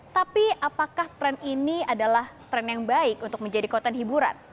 tapi apakah tren ini adalah tren yang baik untuk menjadi konten hiburan